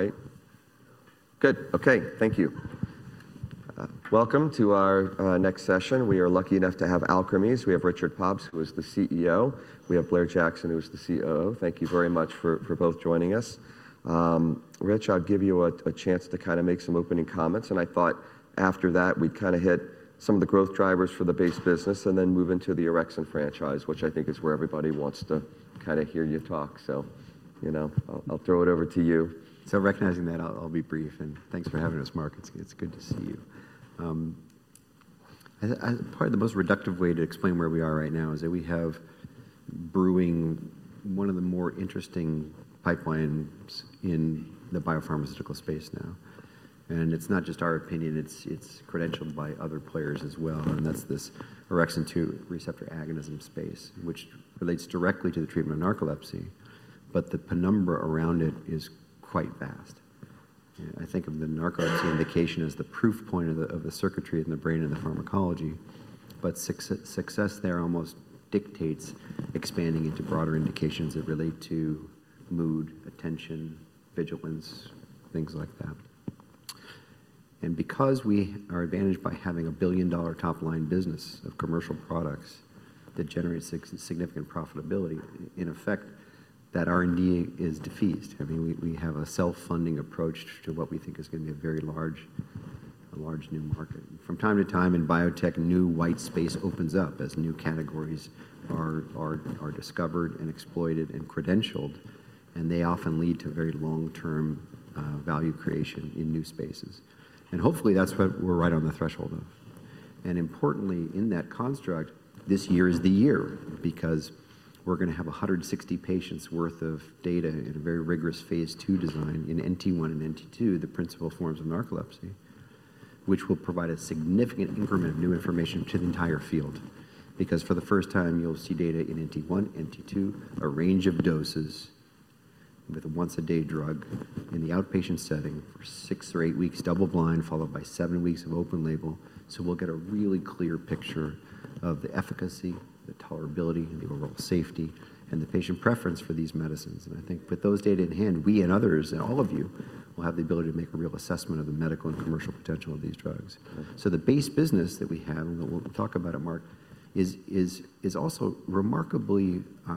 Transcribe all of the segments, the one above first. All right. Good. Okay. Thank you. Welcome to our next session. We are lucky enough to have Alkermes. We have Richard Pops, who is the CEO. We have Blair Jackson, who is the COO. Thank you very much for both joining us. Rich, I'll give you a chance to kind of make some opening comments. I thought after that, we'd kind of hit some of the growth drivers for the base business and then move into the orexin franchise, which I think is where everybody wants to kind of hear you talk. You know, I'll throw it over to you. Recognizing that, I'll be brief. Thanks for having us, Mark. It's good to see you. Part of the most reductive way to explain where we are right now is that we have brewing one of the more interesting pipelines in the biopharmaceutical space now. It's not just our opinion. It's credentialed by other players as well. That's this orexin 2 receptor agonism space, which relates directly to the treatment of narcolepsy. The penumbra around it is quite vast. I think of the narcolepsy indication as the proof point of the circuitry in the brain and the pharmacology. Success there almost dictates expanding into broader indications that relate to mood, attention, vigilance, things like that. Because we are advantaged by having a billion-dollar top-line business of commercial products that generate significant profitability, in effect, that R&D is defeased. I mean, we have a self-funding approach to what we think is going to be a very large, a large new market. From time to time in biotech, new white space opens up as new categories are discovered and exploited and credentialed. They often lead to very long-term value creation in new spaces. Hopefully, that's what we're right on the threshold of. Importantly, in that construct, this year is the year because we're going to have 160 patients' worth of data in a very rigorous phase II design in NT1 and NT2, the principal forms of narcolepsy, which will provide a significant increment of new information to the entire field. Because for the first time, you'll see data in NT1, NT2, a range of doses with a once-a-day drug in the outpatient setting for six or eight weeks, double-blind, followed by seven weeks of open label. We'll get a really clear picture of the efficacy, the tolerability, and the overall safety and the patient preference for these medicines. I think with those data in hand, we and others and all of you will have the ability to make a real assessment of the medical and commercial potential of these drugs. The base business that we have, and we'll talk about it, Mark, is also remarkably, I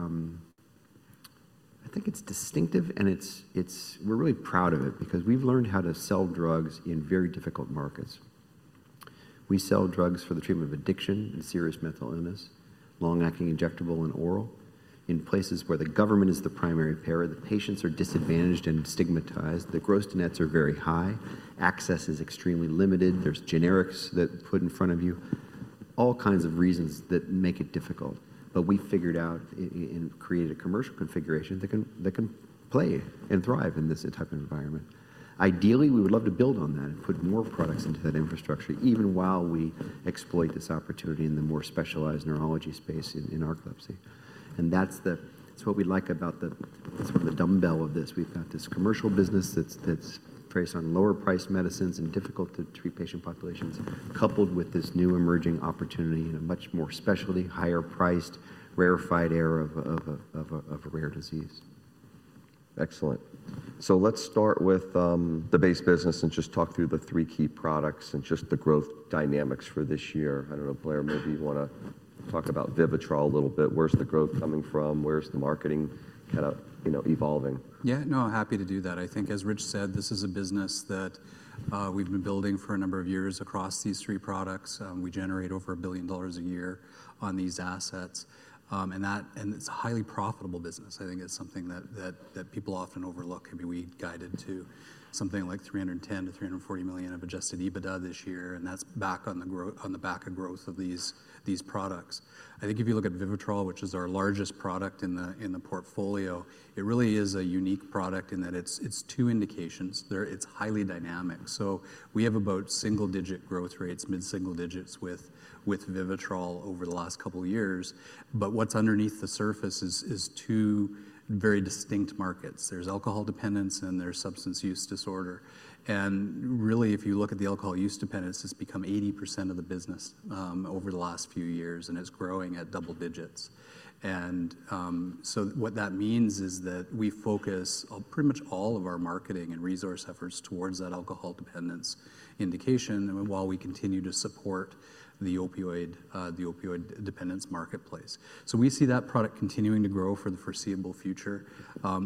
think it's distinctive. We're really proud of it because we've learned how to sell drugs in very difficult markets. We sell drugs for the treatment of addiction and serious mental illness, long-acting injectable and oral, in places where the government is the primary payer. The patients are disadvantaged and stigmatized. The gross nets are very high. Access is extremely limited. There's generics that are put in front of you, all kinds of reasons that make it difficult. We figured out and created a commercial configuration that can play and thrive in this type of environment. Ideally, we would love to build on that and put more products into that infrastructure, even while we exploit this opportunity in the more specialized neurology space in narcolepsy. That is what we like about the sort of the dumbbell of this. We have got this commercial business that is based on lower-priced medicines and difficult-to-treat patient populations, coupled with this new emerging opportunity in a much more specialty, higher-priced, rarefied era of a rare disease. Excellent. Let's start with the base business and just talk through the three key products and just the growth dynamics for this year. I don't know, Blair, maybe you want to talk about VIVITROL a little bit. Where's the growth coming from? Where's the marketing kind of evolving? Yeah, no, I'm happy to do that. I think, as Rich said, this is a business that we've been building for a number of years across these three products. We generate over $1 billion a year on these assets. It's a highly profitable business. I think it's something that people often overlook. I mean, we guided to something like $310 million-$340 million of adjusted EBITDA this year. That's back on the back of growth of these products. I think if you look at VIVITROL, which is our largest product in the portfolio, it really is a unique product in that it's two indications. It's highly dynamic. We have about single-digit growth rates, mid-single digits with VIVITROL over the last couple of years. What's underneath the surface is two very distinct markets. There's alcohol dependence and there's substance use disorder. If you look at the alcohol use dependence, it's become 80% of the business over the last few years. It's growing at double digits. What that means is that we focus pretty much all of our marketing and resource efforts towards that alcohol dependence indication while we continue to support the opioid dependence marketplace. We see that product continuing to grow for the foreseeable future.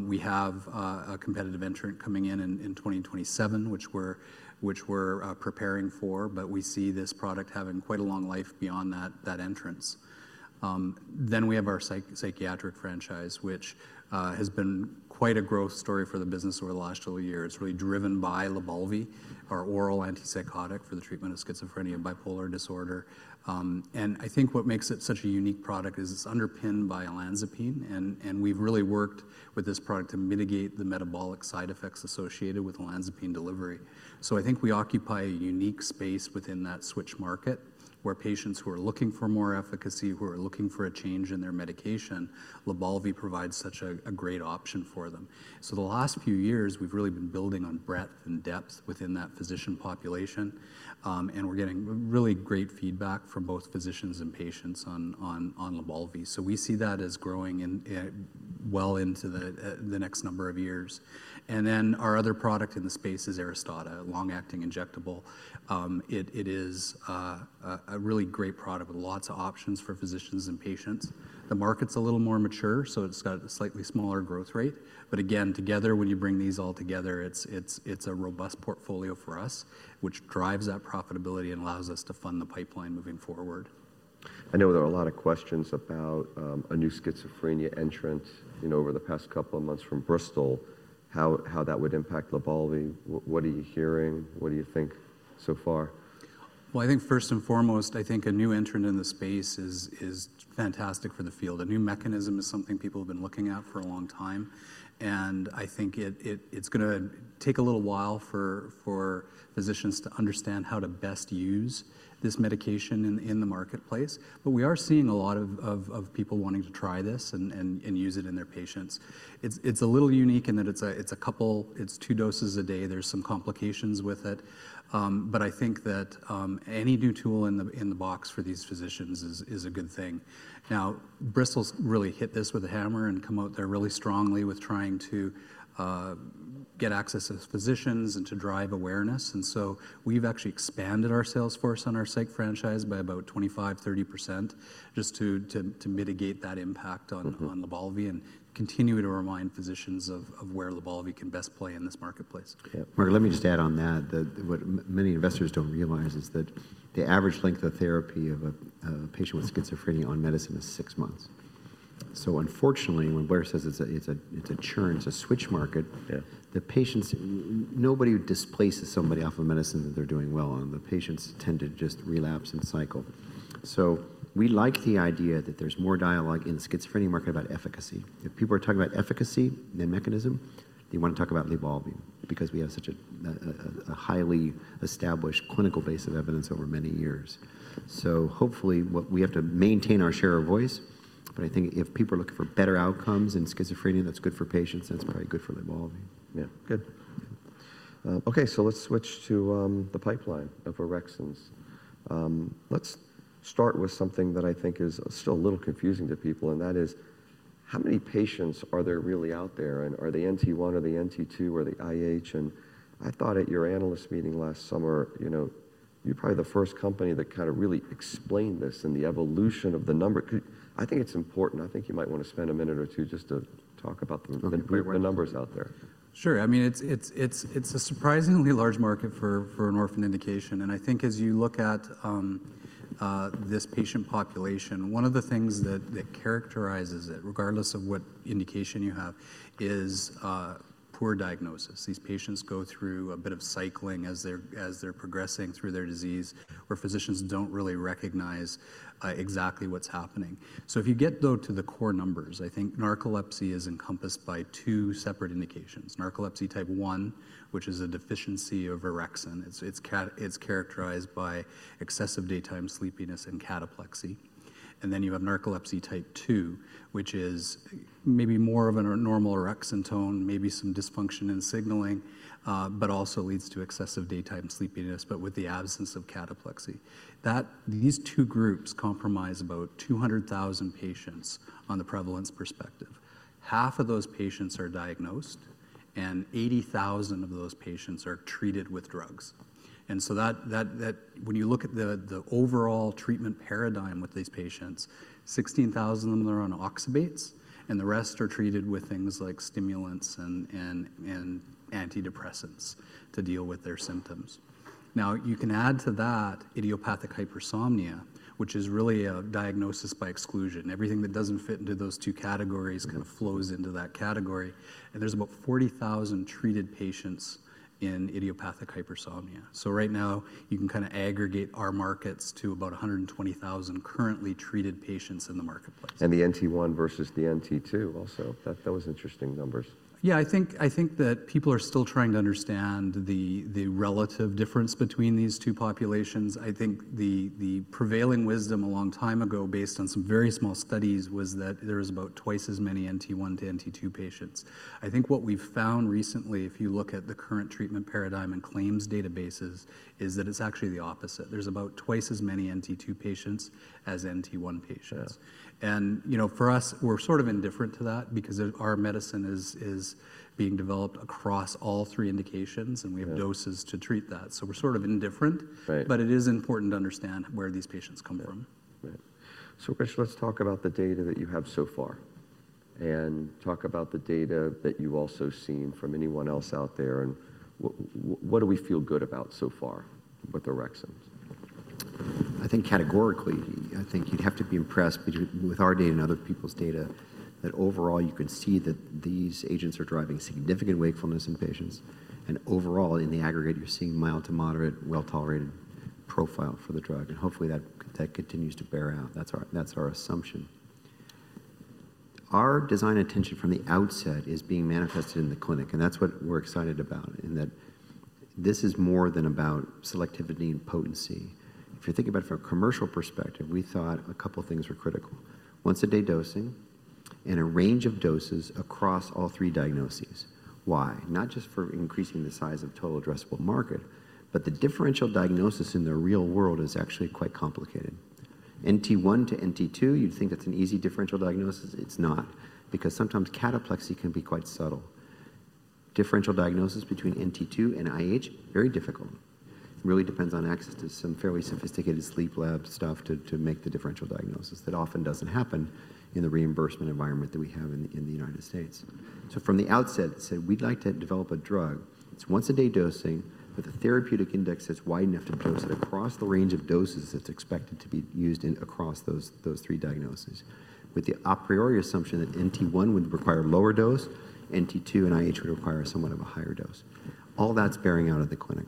We have a competitive entrant coming in in 2027, which we're preparing for. We see this product having quite a long life beyond that entrance. We have our psychiatric franchise, which has been quite a growth story for the business over the last two years, really driven by LYBALVI, our oral antipsychotic for the treatment of schizophrenia and bipolar disorder. I think what makes it such a unique product is it's underpinned by olanzapine. We've really worked with this product to mitigate the metabolic side effects associated with olanzapine delivery. I think we occupy a unique space within that switch market where patients who are looking for more efficacy, who are looking for a change in their medication, LYBALVI provides such a great option for them. The last few years, we've really been building on breadth and depth within that physician population. We're getting really great feedback from both physicians and patients on LYBALVI. We see that as growing well into the next number of years. Our other product in the space is Aristada, a long-acting injectable. It is a really great product with lots of options for physicians and patients. The market's a little more mature, so it's got a slightly smaller growth rate. Again, together, when you bring these all together, it's a robust portfolio for us, which drives that profitability and allows us to fund the pipeline moving forward. I know there are a lot of questions about a new schizophrenia entrant over the past couple of months from Bristol, how that would impact LYBALVI. What are you hearing? What do you think so far? I think first and foremost, I think a new entrant in the space is fantastic for the field. A new mechanism is something people have been looking at for a long time. I think it's going to take a little while for physicians to understand how to best use this medication in the marketplace. We are seeing a lot of people wanting to try this and use it in their patients. It's a little unique in that it's a couple, it's two doses a day. There are some complications with it. I think that any new tool in the box for these physicians is a good thing. Now, Bristol's really hit this with a hammer and come out there really strongly with trying to get access to physicians and to drive awareness. We've actually expanded our sales force on our psych franchise by about 25%-30%, just to mitigate that impact on LYBALVI and continue to remind physicians of where LYBALVI can best play in this marketplace. Yeah. Mark, let me just add on that. What many investors don't realize is that the average length of therapy of a patient with schizophrenia on medicine is six months. Unfortunately, when Blair says it's a churn, it's a switch market, the patients, nobody displaces somebody off of medicine that they're doing well on. The patients tend to just relapse and cycle. We like the idea that there's more dialogue in the schizophrenia market about efficacy. If people are talking about efficacy and mechanism, they want to talk about LYBALVI because we have such a highly established clinical base of evidence over many years. Hopefully, we have to maintain our share of voice. I think if people are looking for better outcomes in schizophrenia, that's good for patients. That's probably good for LYBALVI. Yeah. Good. Okay. Let's switch to the pipeline of orexins. Let's start with something that I think is still a little confusing to people. That is, how many patients are there really out there? Are they NT1, are they NT2, are they IH? I thought at your analyst meeting last summer, you were probably the first company that kind of really explained this and the evolution of the number. I think it's important. I think you might want to spend a minute or two just to talk about the numbers out there. Sure. I mean, it's a surprisingly large market for an orphan indication. I think as you look at this patient population, one of the things that characterizes it, regardless of what indication you have, is poor diagnosis. These patients go through a bit of cycling as they're progressing through their disease, where physicians don't really recognize exactly what's happening. If you get, though, to the core numbers, I think narcolepsy is encompassed by two separate indications. Narcolepsy type 1, which is a deficiency of orexin, it's characterized by excessive daytime sleepiness and cataplexy. You have narcolepsy type 2, which is maybe more of a normal orexin tone, maybe some dysfunction in signaling, but also leads to excessive daytime sleepiness, but with the absence of cataplexy. These two groups comprise about 200,000 patients on the prevalence perspective. Half of those patients are diagnosed, and 80,000 of those patients are treated with drugs. When you look at the overall treatment paradigm with these patients, 16,000 of them are on oxybates. The rest are treated with things like stimulants and antidepressants to deal with their symptoms. You can add to that idiopathic hypersomnia, which is really a diagnosis by exclusion. Everything that does not fit into those two categories kind of flows into that category. There are about 40,000 treated patients in idiopathic hypersomnia. Right now, you can kind of aggregate our markets to about 120,000 currently treated patients in the marketplace. The NT1 versus the NT2 also. Those interesting numbers. Yeah. I think that people are still trying to understand the relative difference between these two populations. I think the prevailing wisdom a long time ago, based on some very small studies, was that there is about twice as many NT1 to NT2 patients. I think what we've found recently, if you look at the current treatment paradigm and claims databases, is that it's actually the opposite. There's about twice as many NT2 patients as NT1 patients. For us, we're sort of indifferent to that because our medicine is being developed across all three indications. We have doses to treat that. We're sort of indifferent. It is important to understand where these patients come from. Right. So Rich, let's talk about the data that you have so far and talk about the data that you've also seen from anyone else out there. What do we feel good about so far with orexins? I think categorically, I think you'd have to be impressed with our data and other people's data that overall, you can see that these agents are driving significant wakefulness in patients. Overall, in the aggregate, you're seeing mild to moderate, well-tolerated profile for the drug. Hopefully, that continues to bear out. That's our assumption. Our design intention from the outset is being manifested in the clinic. That's what we're excited about, in that this is more than about selectivity and potency. If you think about it from a commercial perspective, we thought a couple of things were critical: once-a-day dosing and a range of doses across all three diagnoses. Why? Not just for increasing the size of total addressable market, but the differential diagnosis in the real world is actually quite complicated. NT1 to NT2, you'd think that's an easy differential diagnosis. It's not because sometimes cataplexy can be quite subtle. Differential diagnosis between NT2 and IH, very difficult. It really depends on access to some fairly sophisticated sleep lab stuff to make the differential diagnosis. That often doesn't happen in the reimbursement environment that we have in the United States. From the outset, we'd like to develop a drug. It's once-a-day dosing with a therapeutic index that's wide enough to dose it across the range of doses that's expected to be used across those three diagnoses, with the a priori assumption that NT1 would require a lower dose, NT2 and IH would require somewhat of a higher dose. All that's bearing out of the clinic.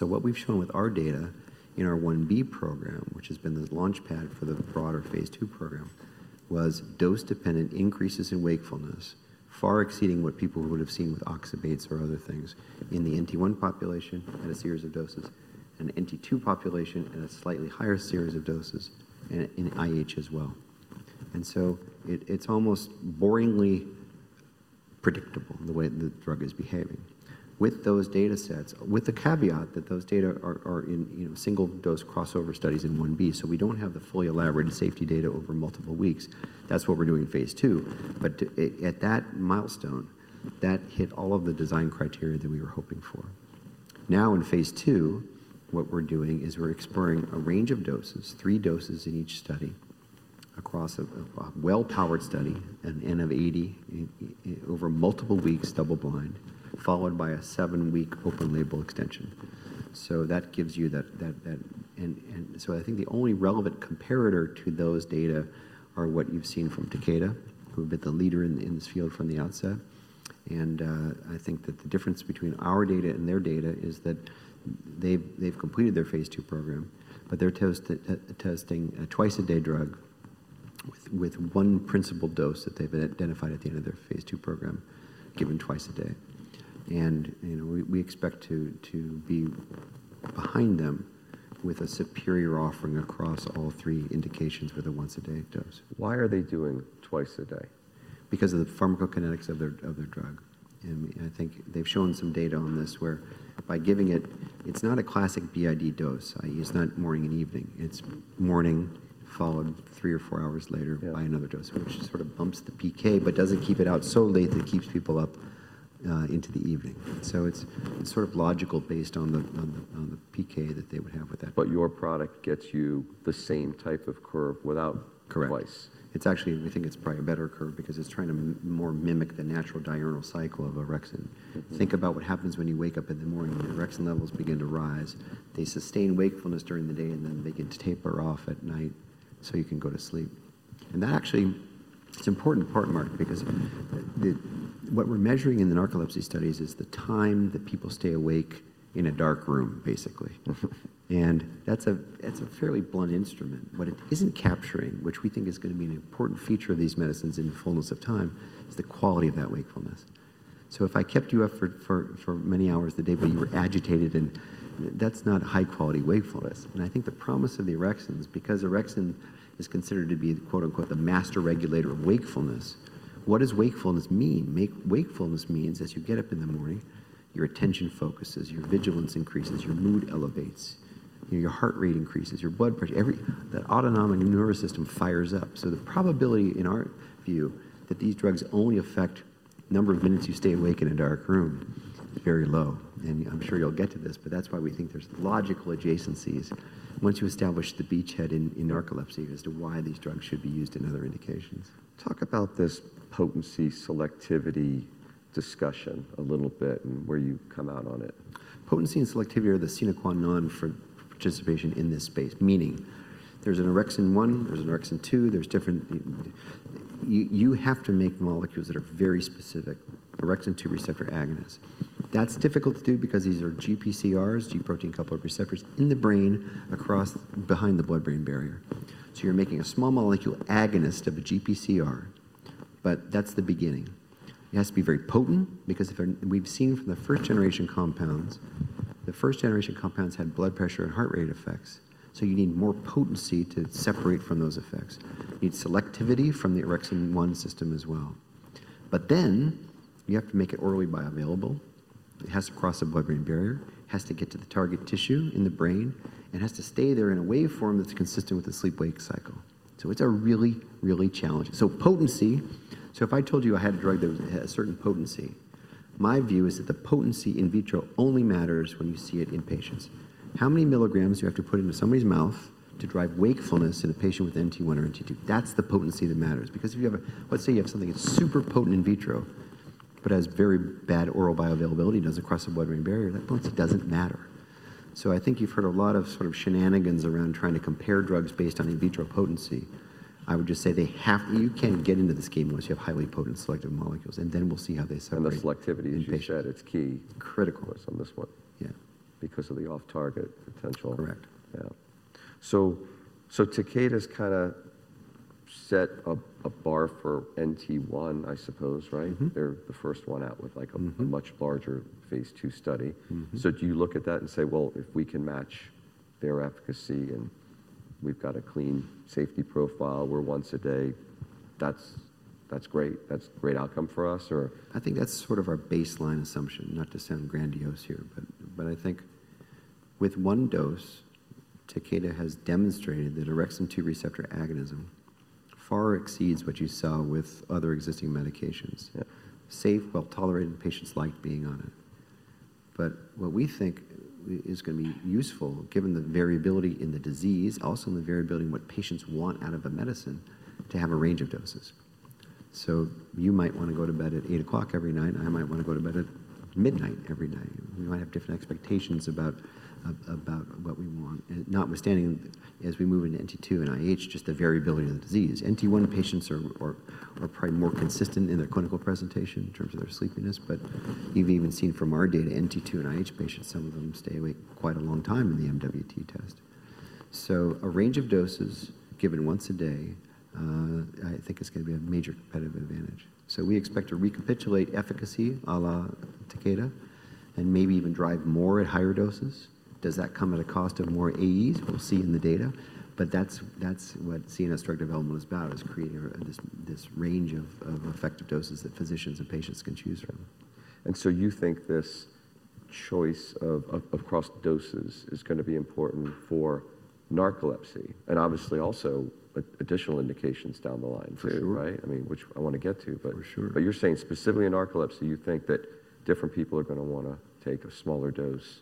What we've shown with our data in our 1B program, which has been the launchpad for the broader phase II program, was dose-dependent increases in wakefulness, far exceeding what people would have seen with oxybates or other things in the NT1 population at a series of doses, an NT2 population at a slightly higher series of doses, and in IH as well. It is almost boringly predictable the way the drug is behaving. With those data sets, with the caveat that those data are in single-dose crossover studies in 1B, we do not have the fully elaborated safety data over multiple weeks. That is what we are doing in phase II. At that milestone, that hit all of the design criteria that we were hoping for. Now in phase II, what we're doing is we're exploring a range of doses, three doses in each study across a well-powered study, an N of 80 over multiple weeks, double-blind, followed by a seven-week open-label extension. That gives you that. I think the only relevant comparator to those data are what you've seen from Takeda, who have been the leader in this field from the outset. I think that the difference between our data and their data is that they've completed their phase II program, but they're testing a twice-a-day drug with one principal dose that they've identified at the end of their phase II program, given twice a day. We expect to be behind them with a superior offering across all three indications for the once-a-day dose. Why are they doing twice a day? Because of the pharmacokinetics of their drug. I think they've shown some data on this where by giving it, it's not a classic BID dose. It's not morning and evening. It's morning, followed three or four hours later by another dose, which sort of bumps the PK, but doesn't keep it out so late that it keeps people up into the evening. It is sort of logical based on the PK that they would have with that. Your product gets you the same type of curve without twice. Correct. It's actually, we think it's probably a better curve because it's trying to more mimic the natural diurnal cycle of orexin. Think about what happens when you wake up in the morning. Your orexin levels begin to rise. They sustain wakefulness during the day, and then they get tapered off at night so you can go to sleep. That actually is an important part, Mark, because what we're measuring in the narcolepsy studies is the time that people stay awake in a dark room, basically. That's a fairly blunt instrument. What it isn't capturing, which we think is going to be an important feature of these medicines in fullness of time, is the quality of that wakefulness. If I kept you up for many hours of the day where you were agitated, that's not high-quality wakefulness. I think the promise of the orexins, because orexin is considered to be the "master regulator" of wakefulness, what does wakefulness mean? Wakefulness means as you get up in the morning, your attention focuses, your vigilance increases, your mood elevates, your heart rate increases, your blood pressure, that autonomic nervous system fires up. The probability in our view that these drugs only affect the number of minutes you stay awake in a dark room is very low. I'm sure you'll get to this, but that's why we think there's logical adjacencies once you establish the beachhead in narcolepsy as to why these drugs should be used in other indications. Talk about this potency-selectivity discussion a little bit and where you come out on it. Potency and selectivity are the sine qua non for participation in this space, meaning there's an orexin 1, there's an orexin 2, there's different you have to make molecules that are very specific, Orexin 2 receptor agonists. That's difficult to do because these are GPCRs, G-protein coupled receptors, in the brain across behind the blood-brain barrier. You are making a small molecule agonist of a GPCR, but that's the beginning. It has to be very potent because we've seen from the first-generation compounds, the first-generation compounds had blood pressure and heart rate effects. You need more potency to separate from those effects. You need selectivity from the orexin 1 system as well. You have to make it orally bioavailable. It has to cross the blood-brain barrier. It has to get to the target tissue in the brain. It has to stay there in a waveform that's consistent with the sleep-wake cycle. It's really, really challenging. Potency, if I told you I had a drug that had a certain potency, my view is that the potency in vitro only matters when you see it in patients. How many milligrams do you have to put into somebody's mouth to drive wakefulness in a patient with NT1 or NT2? That's the potency that matters. Because if you have something that's super potent in vitro, but has very bad oral bioavailability, it doesn't cross the blood-brain barrier. That potency doesn't matter. I think you've heard a lot of sort of shenanigans around trying to compare drugs based on in vitro potency. I would just say you can't get into this game unless you have highly potent selective molecules. We'll see how they selective. The selectivity issue that's key. Critical. On this one. Yeah. Because of the off-target potential. Correct. Yeah. Takeda's kind of set a bar for NT1, I suppose, right? They're the first one out with a much larger phase II study. Do you look at that and say, well, if we can match their efficacy and we've got a clean safety profile where once a day, that's great. That's a great outcome for us, or? I think that's sort of our baseline assumption, not to sound grandiose here, but I think with one dose, Takeda has demonstrated that orexin 2 receptor agonism far exceeds what you saw with other existing medications. Safe, well-tolerated, patients like being on it. What we think is going to be useful, given the variability in the disease, also in the variability in what patients want out of a medicine, is to have a range of doses. You might want to go to bed at 8:00 P.M. every night. I might want to go to bed at midnight every night. We might have different expectations about what we want. Not withstanding, as we move into NT2 and IH, just the variability of the disease. NT1 patients are probably more consistent in their clinical presentation in terms of their sleepiness. You have even seen from our data, NT2 and IH patients, some of them stay awake quite a long time in the MWT test. A range of doses given once a day, I think, is going to be a major competitive advantage. We expect to recapitulate efficacy à la Takeda and maybe even drive more at higher doses. Does that come at a cost of more AEs? We will see in the data. That is what CNS drug development is about, creating this range of effective doses that physicians and patients can choose from. You think this choice of cross doses is going to be important for narcolepsy and obviously also additional indications down the line for you, right? I mean, which I want to get to. You are saying specifically in narcolepsy, you think that different people are going to want to take a smaller dose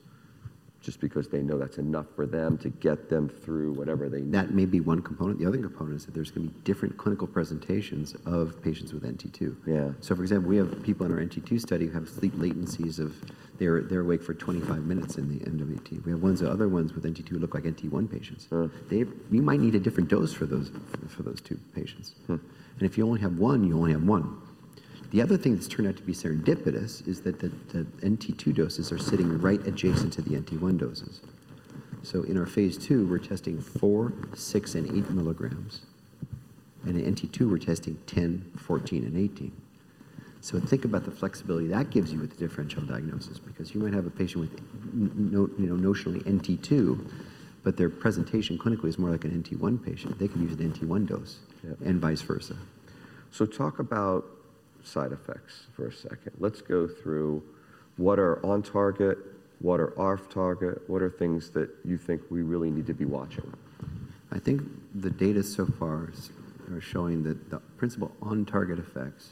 just because they know that is enough for them to get them through whatever they need. That may be one component. The other component is that there's going to be different clinical presentations of patients with NT2. For example, we have people in our NT2 study who have sleep latencies of they're awake for 25 minutes in the MWT. We have other ones with NT2 who look like NT1 patients. We might need a different dose for those two patients. If you only have one, you only have one. The other thing that's turned out to be serendipitous is that the NT2 doses are sitting right adjacent to the NT1 doses. In our phase II, we're testing 4, 6, and 8 mg. In NT2, we're testing 10, 14, and 18. Think about the flexibility that gives you with the differential diagnosis because you might have a patient with notionally NT2, but their presentation clinically is more like an NT1 patient. They can use an NT1 dose and vice versa. Talk about side effects for a second. Let's go through what are on target, what are off target, what are things that you think we really need to be watching? I think the data so far are showing that the principal on-target effects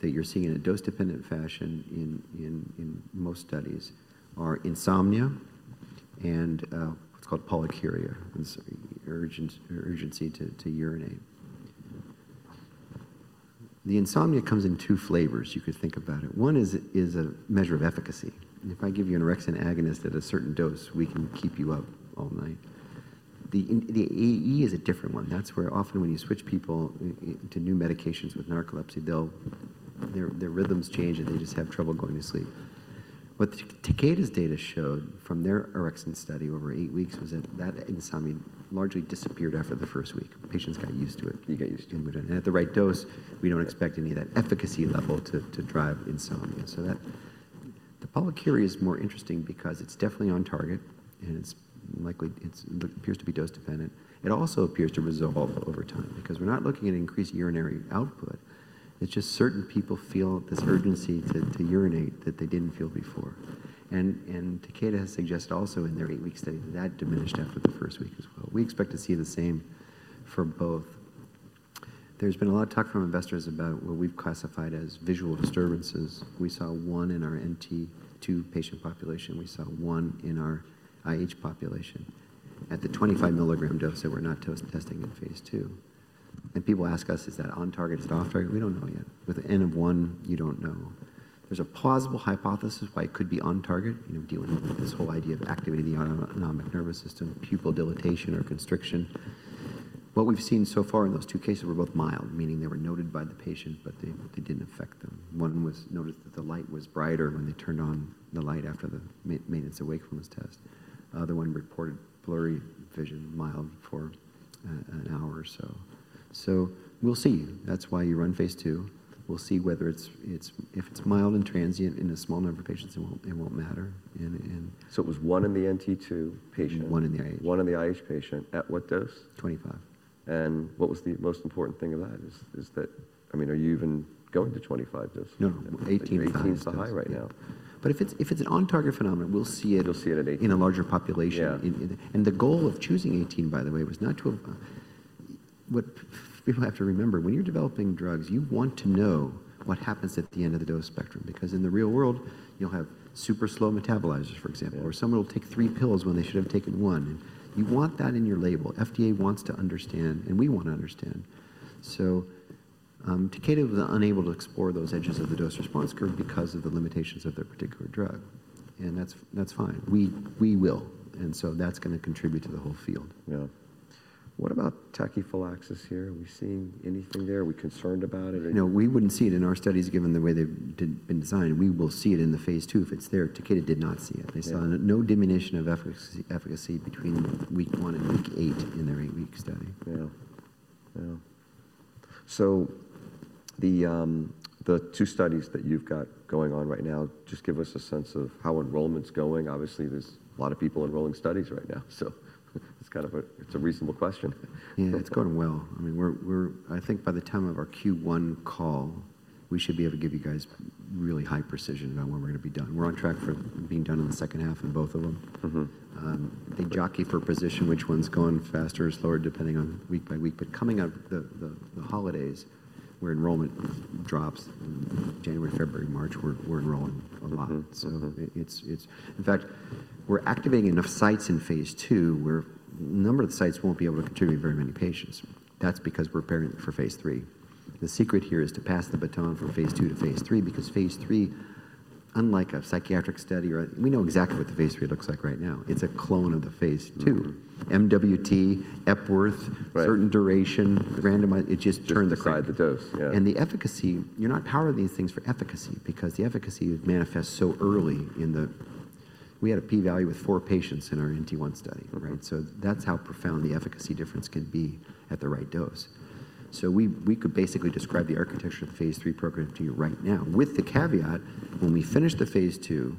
that you're seeing in a dose-dependent fashion in most studies are insomnia and what's called polyuria, urgency to urinate. The insomnia comes in two flavors, you could think about it. One is a measure of efficacy. If I give you an orexin agonist at a certain dose, we can keep you up all night. The AE is a different one. That's where often when you switch people to new medications with narcolepsy, their rhythms change and they just have trouble going to sleep. What Takeda's data showed from their orexin study over eight weeks was that that insomnia largely disappeared after the first week. Patients got used to it. You got used to it. At the right dose, we don't expect any of that efficacy level to drive insomnia. The polyuria is more interesting because it's definitely on target and it appears to be dose-dependent. It also appears to resolve over time because we're not looking at increased urinary output. It's just certain people feel this urgency to urinate that they didn't feel before. Takeda has suggested also in their eight-week study that that diminished after the first week as well. We expect to see the same for both. There's been a lot of talk from investors about what we've classified as visual disturbances. We saw one in our NT2 patient population. We saw one in our IH population at the 25 mg dose that we're not testing in phase II. People ask us, is that on target, is it off target? We don't know yet. With N of one, you don't know. There's a plausible hypothesis why it could be on target, dealing with this whole idea of activating the autonomic nervous system, pupil dilatation or constriction. What we've seen so far in those two cases were both mild, meaning they were noted by the patient, but they didn't affect them. One was noticed that the light was brighter when they turned on the light after the Maintenance of Wakefulness Test. The other one reported blurry vision, mild for an hour or so. We'll see. That's why you run phase II. We'll see whether if it's mild and transient in a small number of patients, it won't matter. It was one in the NT2 patient. One in the IH. One in the IH patient at what dose? 25. What was the most important thing of that? I mean, are you even going to 25 dose? No. 18 is the high. 18 is the high right now. If it's an on-target phenomenon, we'll see it. You'll see it at 18. In a larger population. The goal of choosing 18, by the way, was not to what people have to remember. When you're developing drugs, you want to know what happens at the end of the dose spectrum because in the real world, you'll have super slow metabolizers, for example, or someone will take three pills when they should have taken one. You want that in your label. FDA wants to understand, and we want to understand. Takeda was unable to explore those edges of the dose response curve because of the limitations of their particular drug. That's fine. We will. That's going to contribute to the whole field. Yeah. What about tachyphylaxis here? Are we seeing anything there? Are we concerned about it? No, we wouldn't see it in our studies given the way they've been designed. We will see it in the phase II if it's there. Takeda did not see it. They saw no diminution of efficacy between week one and week eight in their eight-week study. Yeah. Yeah. The two studies that you've got going on right now, just give us a sense of how enrollment's going. Obviously, there's a lot of people enrolling studies right now, so it's kind of a reasonable question. Yeah, it's going well. I mean, I think by the time of our Q1 call, we should be able to give you guys really high precision about when we're going to be done. We're on track for being done in the second half in both of them. They jockey for position which one's going faster or slower depending on week by week. Coming out of the holidays, where enrollment drops in January, February, March, we're enrolling a lot. In fact, we're activating enough sites in phase II where a number of the sites won't be able to contribute very many patients. That's because we're preparing for phase III. The secret here is to pass the baton from phase II to phase III because phase III, unlike a psychiatric study, we know exactly what the phase III looks like right now. It's a clone of the phase II. MWT, Epworth, certain duration, randomized, it just turns the card. You decide the dose. Yeah. The efficacy, you're not powering these things for efficacy because the efficacy manifests so early in the we had a P-value with four patients in our NT1 study, right? That's how profound the efficacy difference can be at the right dose. We could basically describe the architecture of the phase III program to you right now with the caveat. When we finish the phase II,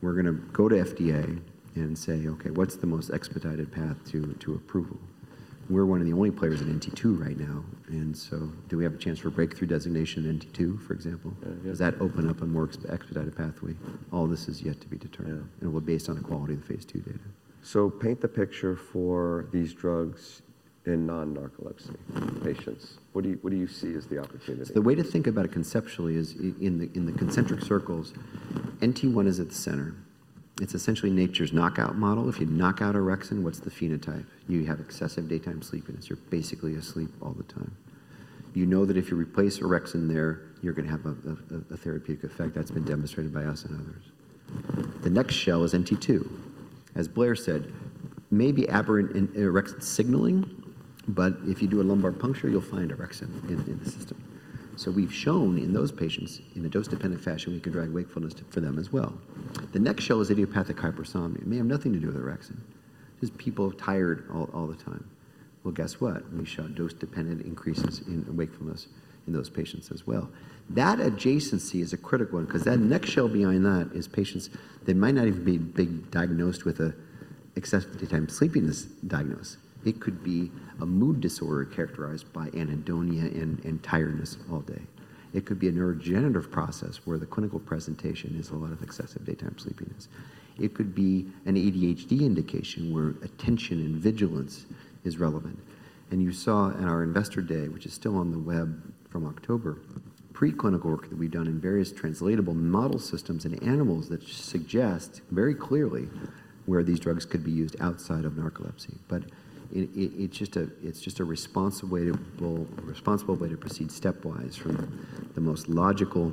we're going to go to FDA and say, okay, what's the most expedited path to approval? We're one of the only players in NT2 right now. Do we have a chance for breakthrough designation in NT2, for example? Does that open up a more expedited pathway? All this is yet to be determined. It will be based on the quality of the phase II data. Paint the picture for these drugs in non-narcolepsy patients. What do you see as the opportunity? The way to think about it conceptually is in the concentric circles, NT1 is at the center. It's essentially nature's knockout model. If you knock out orexin, what's the phenotype? You have excessive daytime sleepiness. You're basically asleep all the time. You know that if you replace orexin there, you're going to have a therapeutic effect. That's been demonstrated by us and others. The next shell is NT2. As Blair said, maybe aberrant in orexin signaling, but if you do a lumbar puncture, you'll find orexin in the system. We've shown in those patients in a dose-dependent fashion, we can drive wakefulness for them as well. The next shell is idiopathic hypersomnia. It may have nothing to do with orexin. Just people tired all the time. Guess what? We showed dose-dependent increases in wakefulness in those patients as well. That adjacency is a critical one because that next shell behind that is patients that might not even be diagnosed with an excessive daytime sleepiness diagnosis. It could be a mood disorder characterized by anhedonia, and tiredness all day. It could be a neurodegenerative process where the clinical presentation is a lot of excessive daytime sleepiness. It could be an ADHD indication where attention and vigilance is relevant. You saw in our investor day, which is still on the web from October, preclinical work that we've done in various translatable model systems in animals that suggest very clearly where these drugs could be used outside of narcolepsy. It is just a responsible way to proceed stepwise from the most logical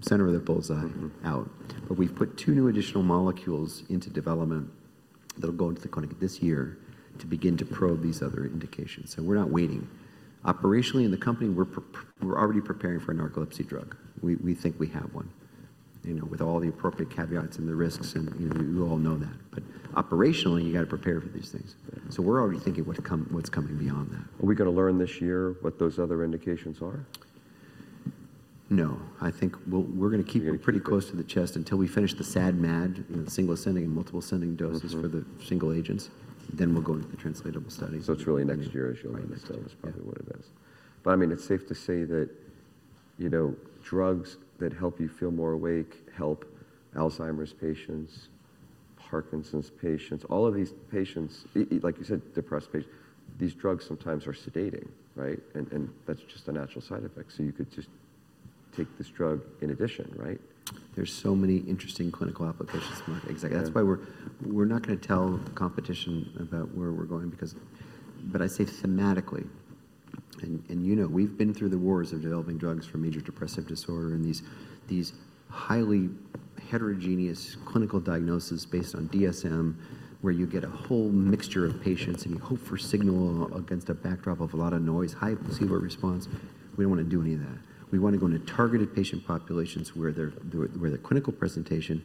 center of the bullseye out. We have put two new additional molecules into development that'll go into the clinic this year to begin to probe these other indications. We're not waiting. Operationally in the company, we're already preparing for a narcolepsy drug. We think we have one with all the appropriate caveats and the risks, and we all know that. Operationally, you got to prepare for these things. We're already thinking what's coming beyond that. Are we going to learn this year what those other indications are? No. I think we're going to keep it pretty close to the chest until we finish the SAD-MAD, single ascending and multiple ascending doses for the single agents. Then we'll go into the translatable study. It's really next year as you'll need to tell us probably what it is. I mean, it's safe to say that drugs that help you feel more awake help Alzheimer's patients, Parkinson's patients, all of these patients, like you said, depressed patients. These drugs sometimes are sedating, right? That's just a natural side effect. You could just take this drug in addition, right? There's so many interesting clinical applications to market. Exactly. That's why we're not going to tell competition about where we're going because. I say thematically. You know we've been through the wars of developing drugs for major depressive disorder and these highly heterogeneous clinical diagnoses based on DSM, where you get a whole mixture of patients and you hope for signal against a backdrop of a lot of noise, high placebo response. We don't want to do any of that. We want to go into targeted patient populations where the clinical presentation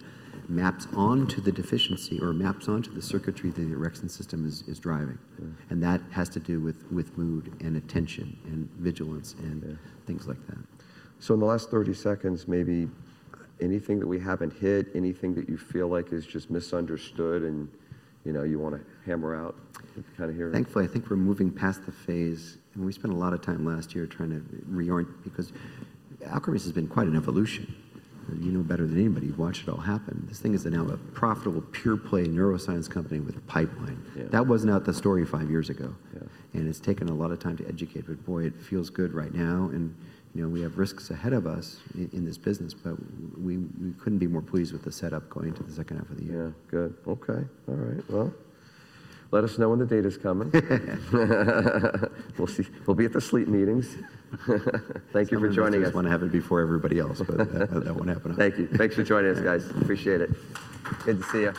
maps onto the deficiency or maps onto the circuitry that the orexin system is driving. That has to do with mood and attention and vigilance and things like that. In the last 30 seconds, maybe anything that we haven't hit, anything that you feel like is just misunderstood and you want to hammer out to kind of hear? Thankfully, I think we're moving past the phase. We spent a lot of time last year trying to reorient because Alkermes has been quite an evolution. You know better than anybody. You've watched it all happen. This thing is now a profitable pure-play neuroscience company with a pipeline. That wasn't the story five years ago. It's taken a lot of time to educate. Boy, it feels good right now. We have risks ahead of us in this business, but we couldn't be more pleased with the setup going into the second half of the year. Yeah. Good. Okay. All right. Let us know when the data's coming. We'll be at the sleep meetings. Thank you for joining us. I just want to have it before everybody else, but that won't happen. Thank you. Thanks for joining us, guys. Appreciate it. Good to see you.